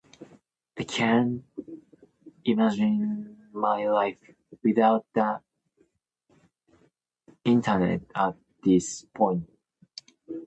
I cannot imagine my life without the Internet at this point.